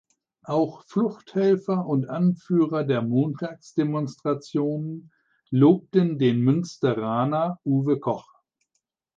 Auch Fluchthelfer und Anführer der Montagsdemonstrationen lobten den Münsteraner Uwe Koch.